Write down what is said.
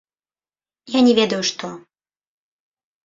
Я не ведаю што.